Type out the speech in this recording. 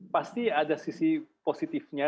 pasti ada sisi positifnya